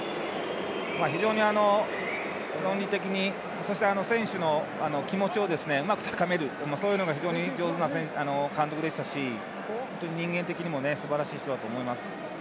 非常に、論理的にそして選手の気持ちをうまく高める、そういうのが非常に上手な監督でしたし人間的にもすばらしい人だと思います。